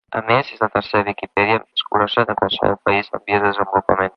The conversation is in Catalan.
A més, és la tercera Viquipèdia més grossa de qualsevol país en vies de desenvolupament.